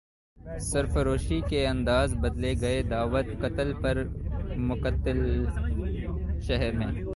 سرفروشی کے انداز بدلے گئے دعوت قتل پر مقتل شہر میں